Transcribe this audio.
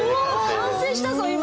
完成したぞ今！